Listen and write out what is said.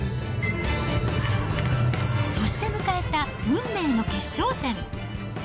そして迎えた運命の決勝戦。